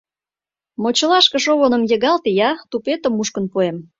— Мочылашке шовыным йыгалте-я, тупетым мушкын пуэм.